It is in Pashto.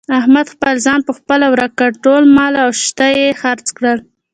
احمد خپل ځان په خپله ورک کړ. ټول مال او شته یې خرڅ کړل.